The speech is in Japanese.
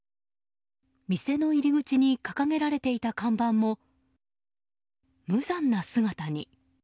店の入り口に掲げられていた看板も無残な姿に。